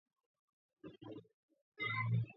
ადგილობრივი ტურისტული ობიექტია.